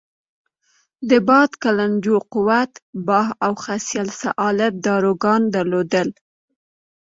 د باد کلنجو، قوت باه او خصیه الصعالب داروګان درلودل.